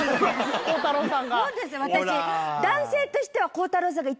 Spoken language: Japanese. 鋼太郎さんが。